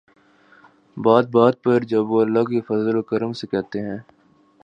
بات بات پر جب وہ'اللہ کے فضل و کرم سے‘ کہتے ہیں۔